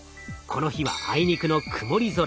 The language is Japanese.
この日はあいにくの曇り空。